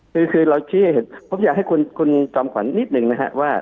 คือเราเชื่อเพราะอยากให้คุณจอมขวัญนิดนึงนะครับว่า